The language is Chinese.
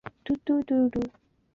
不会影响手术的结果。